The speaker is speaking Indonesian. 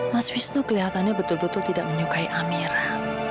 mas wisnu kelihatannya betul betul tidak menyukai amera